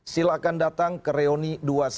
silakan datang ke reuni dua satu dua